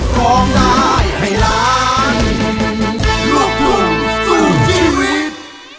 ต้องสู้ชีวิต